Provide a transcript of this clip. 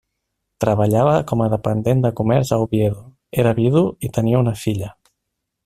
Treballava com a dependent de comerç a Oviedo, era vidu i tenia una filla.